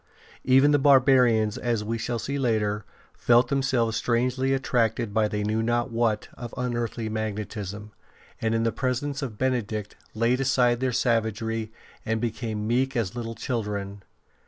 Even the barbarians, as we shall see later, felt themselves strangely attracted by they knew not what of unearthly 8o ST. BENEDICT magnetism, and in the presence of Benedict laid aside their savagery and became meek as little children.